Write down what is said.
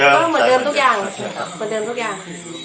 เหมือนเดิมทุกอย่าง